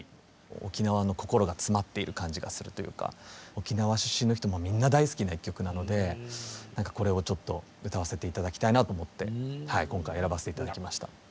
沖縄の心が詰まっている感じがするというか沖縄出身の人もみんな大好きな１曲なのでこれをちょっと歌わせて頂きたいなと思って今回選ばせて頂きました。